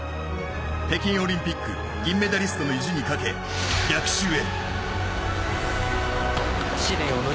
北京オリンピック銀メダリストの意地にかけ逆襲へ。